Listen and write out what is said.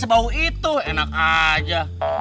colaborasi haram ya dari si dia